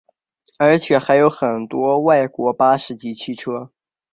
而且还有很多外国巴士及汽车。